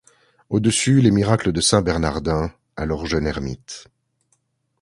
Au-dessus, les miracles de saint Bernardin alors jeune ermite.